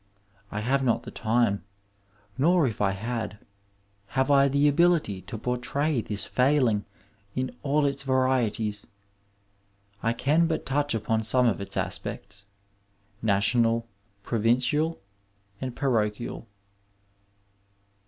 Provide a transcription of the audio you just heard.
I have not the time, nor if I had, have I the ability to portray this failing in all its varieties ; I can but touch upon some of its aspects, national, provincial and paro chial.